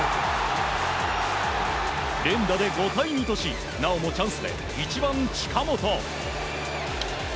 連打で５対２としなおもチャンスで１番、近本。